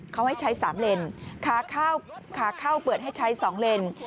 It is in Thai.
เขาให้ใช้๓เลนขาเข้าขาเข้าเปิดให้ใช้๒เลน